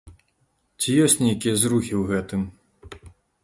Ці ёсць нейкія зрухі ў гэтым?